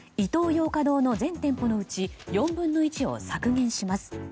ヨーカドーの全店舗のうち４分の１を削減します。